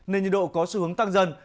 nền nhiệt độ có xu hướng tăng dần